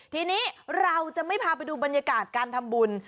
ทีนี้เราจะไม่พาไปดูบรรยากาศการทำบุญ